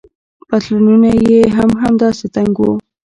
پتلونونه يې هم همداسې تنګ وو.